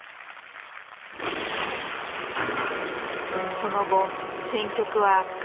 その後戦局は悪化。